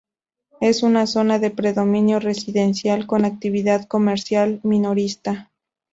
Es una zona de predominio residencial con actividad comercial minorista.